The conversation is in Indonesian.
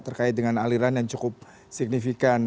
terkait dengan aliran yang cukup signifikan